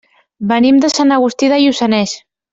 Venim de Sant Agustí de Lluçanès.